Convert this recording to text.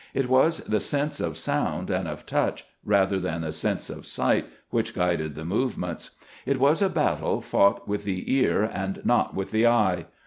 It was the sense of sound and of touch rather than the sense of sight which guided the movements. It was a battle fought with the ear, and not with the eye.